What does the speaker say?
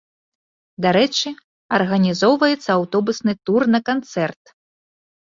Дарэчы, арганізоўваецца аўтобусны тур на канцэрт!